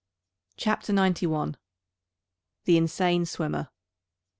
CHAPTER NINETY ONE. THE INSANE SWIMMER.